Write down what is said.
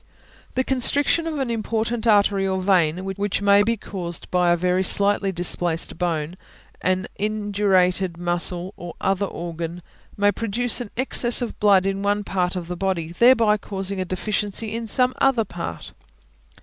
The constriction of an important artery or vein, which may be caused by a very slightly displaced bone, an indurated muscle, or other organ, may produce an excess of blood in one part of the body, thereby causing a deficiency in some other part.